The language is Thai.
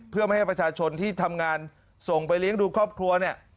เพื่อไม่ให้ประชาชนที่ทำงานส่งไปเลี้ยงดูครอบครัวเนี่ย